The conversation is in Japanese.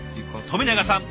冨永さん